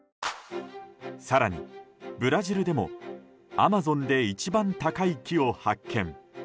更にブラジルでもアマゾンで一番高い木を発見。